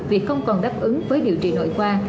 vì không còn đáp ứng với điều trị nội khoa